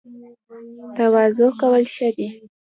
تواضع کول ښه دي